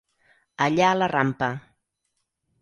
Allà a la rampa.